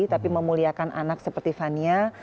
tapi memuliakan anak seperti fania